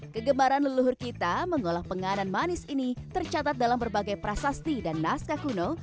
kegemaran leluhur kita mengolah penganan manis ini tercatat dalam berbagai prasasti dan naskah kuno